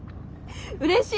うれしい！